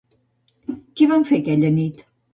Què van fer aquella nit?